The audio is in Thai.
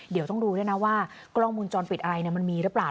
เดี๋ยวต้องดูด้วยนะว่ากล้องมูลจรปิดอะไรมันมีหรือเปล่า